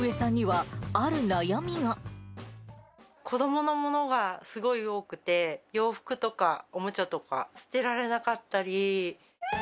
子どもの物がすごい多くて、洋服とかおもちゃとか、捨てられなかったり。